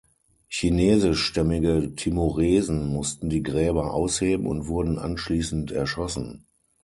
Chinesischstämmige Timoresen mussten die Gräber ausheben und wurden anschließend erschossen.